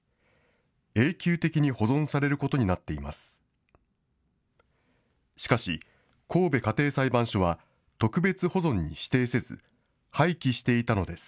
永久的に保存されることになっています。